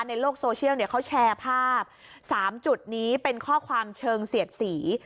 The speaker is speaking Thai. ในโลกโซเชียลเขาแชร์ภาพ๓จุดนี้เป็นข้อความเชิงเสียดสี